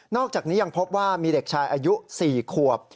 อกจากนี้ยังพบว่ามีเด็กชายอายุ๔ขวบ